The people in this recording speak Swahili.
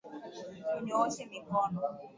Tunyooshe mikono